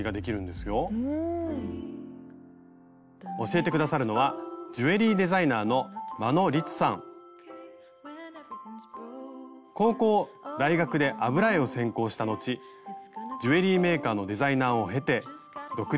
教えて下さるのは高校大学で油絵を専攻した後ジュエリーメーカーのデザイナーを経て独立。